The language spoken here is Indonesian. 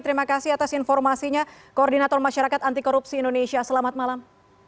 terima kasih atas informasinya koordinator masyarakat anti korupsi indonesia selamat malam